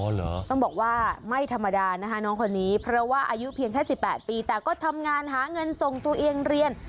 ต้องบอกว่าไม่ธรรมดานะคะน้องคนนี้เพราะว่าอายุเพียงแค่๑๘ปีแต่ก็ทำงานหาเงินส่งตัวเองเรียน